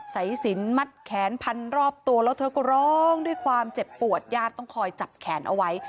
สายสินมัดแขนพันรอบตัวแล้วเธอก็ร้องด้วยความเจ็บปวดญาติต้องคอยจับแขนเอาไว้